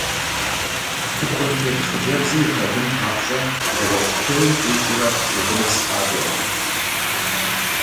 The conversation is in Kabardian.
Тыкуэнтет хъыджэбзыр илъагъун папщӏэ, нэгъуэщӏ куейм къикӏыурэ мыбы нэс къакӏуэрт.